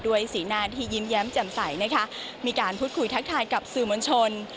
สีหน้าที่ยิ้มแย้มแจ่มใสนะคะมีการพูดคุยทักทายกับสื่อมวลชน